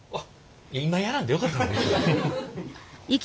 今やらんでよかったのに。